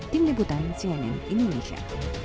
tim liputan cnn indonesia